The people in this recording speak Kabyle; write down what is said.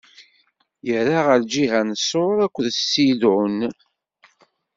Irra ɣer lǧiha n Ṣur akked Ṣidun.